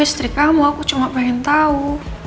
aku istri kamu aku cuma ingin tau